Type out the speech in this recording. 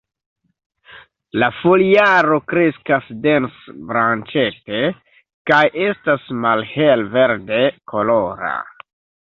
La foliaro kreskas dens-branĉete, kaj estas malhel-verde kolora.